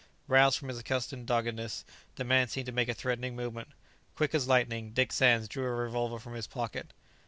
Roused from his accustomed doggedness, the man seemed to make a threatening movement. Quick as lightning, Dick Sands drew a revolver from his pocket.